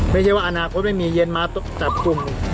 ไม่ใช่ว่าอนาคตไม่มีเย็นมาจับกลุ่ม